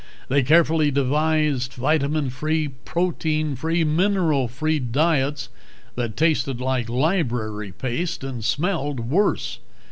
They carefully devised vitamin free, protein free, mineral free diets that tasted like library paste and smelled worse.